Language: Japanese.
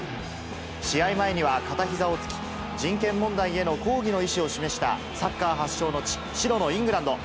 試合前には、片ひざをつき、人権問題への抗議の意思を示したサッカー発祥の地、白のイングランド。